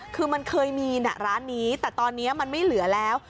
คือมันเคยมีนะร้านนี้แต่ตอนนี้มันไม่เหลือแล้ว